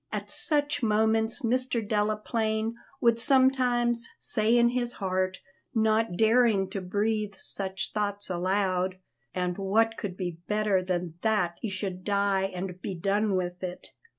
At such moments Mr. Delaplaine would sometimes say in his heart, not daring to breathe such thoughts aloud, "And what could be better than that he should die and be done with it?